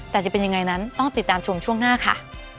แต่จะเป็นยังไงนั้นต้องติดตามชมช่วงหน้าค่ะ